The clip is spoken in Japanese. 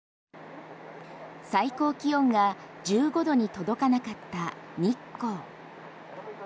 最高気温が１５度に届かなかった日光。